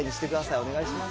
お願いします。